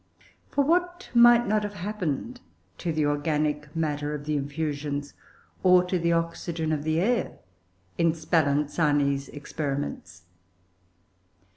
For what might not have happened to the organic matter of the infusions, or to the oxygen of the air, in Spallanzani's experiments?